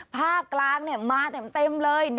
ภาคกลางมาเต็มเลย